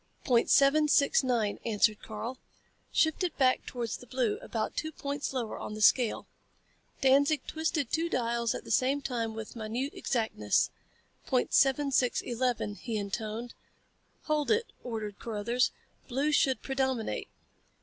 "Point seven six nine," answered Karl. "Shift it back towards the blue, about two points lower on the scale." Danzig twisted two dials at the same time with minute exactness. "Point seven six eleven," he intoned. "Hold it," ordered Carruthers. "Blue should predominate."